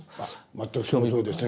全くそのとおりですね。